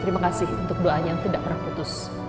terima kasih untuk doanya yang tidak pernah putus